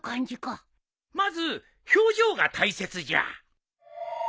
まず表情が大切じゃ。